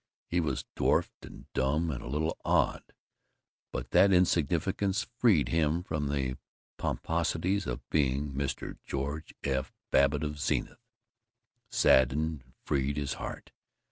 He was dwarfed and dumb and a little awed, but that insignificance freed him from the pomposities of being Mr. George F. Babbitt of Zenith; saddened and freed his heart.